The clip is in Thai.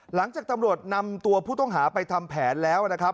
หลังจากตำรวจนำตัวผู้ต้องหาไปทำแผนแล้วนะครับ